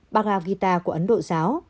bà gà guitar của ấn độ giáo